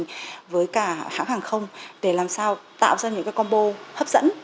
chúng tôi có tham gia vào những chương trình với cả hãng hàng không để làm sao tạo ra những combo hấp dẫn